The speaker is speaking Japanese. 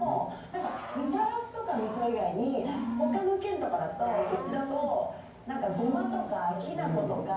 何かみたらしとか味噌以外に他の県とかだとうちだと何か胡麻とかきな粉とか。